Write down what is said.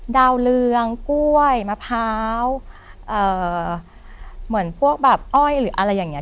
ดาวเรืองกล้วยมะพร้าวเหมือนพวกแบบอ้อยหรืออะไรอย่างนี้